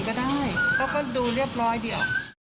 ก็ได้เขาก็ดูเรียบร้อยเดียว